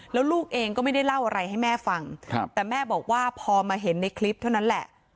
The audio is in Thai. แล้วลูกเองก็ไม่ได้เล่าอะไรให้แม่ฟังแต่แม่บอกว่าพอมาเห็นในคลิปเท่านั้นแหละ